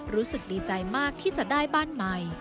รู้สึกดีใจมากที่จะได้บ้านใหม่